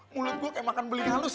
mulut gue kayak makan beli halus